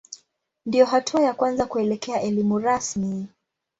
Ndiyo hatua ya kwanza kuelekea elimu rasmi.